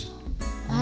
あ。